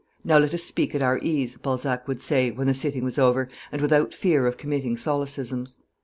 "Now let us speak at our ease," Balzac would say, when the sitting was over, "and without fear of committing solecisms."